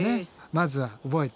まずは覚えてね。